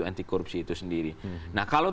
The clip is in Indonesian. antikorupsi itu sendiri nah kalau